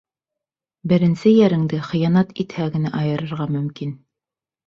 Беренсе йәреңде хыянат итһә генә айырырға мөмкин!